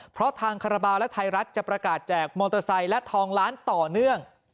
เพราะทางคาราบาลและไทยรัฐจะประกาศแจกมอเตอร์ไซค์และทองล้านต่อเนื่อง